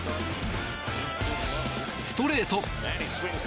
ストレート。